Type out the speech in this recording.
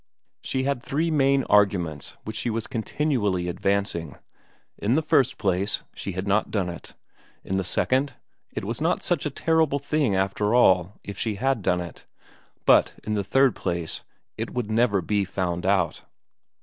She had three main arguments which she was continually advancing: In the first place, she had not done it. In the second, it was not such a terrible thing, after all, if she had done it. But in the third place, it would never be found out.